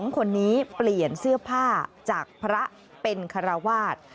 ๒คนนี้เปลี่ยนเสื้อผ้าจากพระเป็นคาราวาส